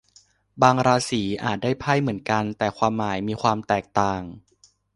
บางราศีอาจได้ไพ่เหมือนกัน แต่ความหมายมีความแตกต่าง